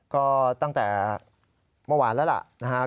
ก็ตั้งแต่เมื่อวานแล้วล่ะนะครับ